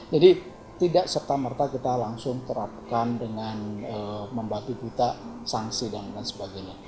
jadi tidak serta merta kita langsung terapkan dengan membatik kita sanksi dan sebagainya